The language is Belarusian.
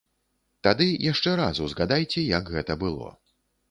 Тады яшчэ раз узгадайце, як гэта было.